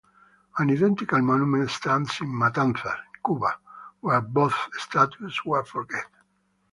An identical monument stands in Matanzas, Cuba, where both statues were forged.